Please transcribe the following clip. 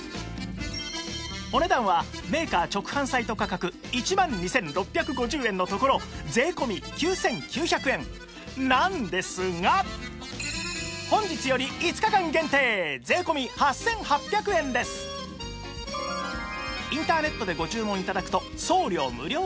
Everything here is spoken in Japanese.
お値段はメーカー直販サイト価格１万２６５０円のところ税込９９００円なんですが本日より５日間限定税込８８００円ですなんかよくこう。